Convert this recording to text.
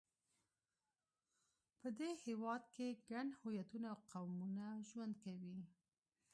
په دې هېواد کې ګڼ هویتونه او قومونه ژوند کوي.